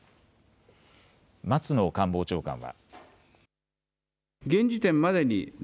松野官房長官は。